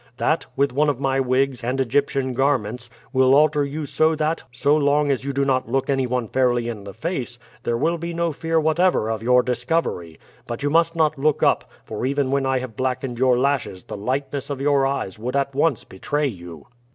That, with one of my wigs and Egyptian garments, will alter you so that, so long as you do not look any one fairly in the face, there will be no fear whatever of your discovery; but you must not look up, for even when I have blackened your lashes the lightness of your eyes would at once betray you."